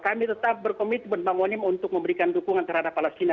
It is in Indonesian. kami tetap berkomitmen bangunin untuk memberikan dukungan terhadap palestina